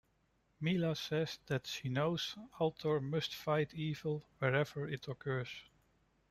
Mila says that she knows Ator must fight evil where ever it occurs.